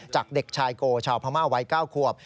จากเด็กชายโกชาวพม่าวัย๙ขวบ